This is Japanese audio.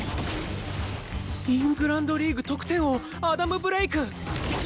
イングランドリーグ得点王アダム・ブレイク！